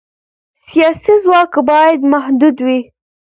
سیاسي ځواک باید محدود وي